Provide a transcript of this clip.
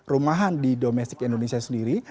rumahan di domestik indonesia sendiri